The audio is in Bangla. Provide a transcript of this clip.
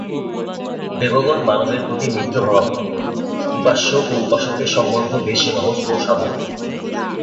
দেবগণ মানবের প্রতি মিত্রভাবাপন্ন, উপাস্য ও উপাসকের সম্বন্ধ বেশ সহজ ও স্বাভাবিক।